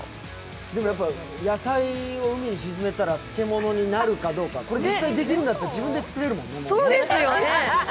でもやっぱ、野菜を海に沈めたら漬物になるかどうか、これ実際にできるんだったら自分でできるもんね、これから。